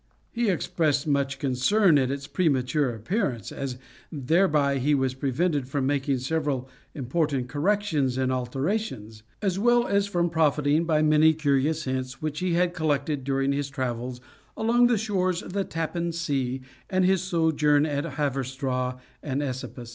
He expressed much concern at its premature appearance, as thereby he was prevented from making several important corrections and alterations: as well as from profiting by many curious hints which he had collected during his travels along the shores of the Tappan Sea, and his sojourn at Haverstraw and Esopus.